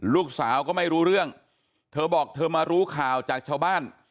ลูกสาวก็ไม่รู้เรื่องเธอบอกเธอมารู้ข่าวจากชาวบ้าน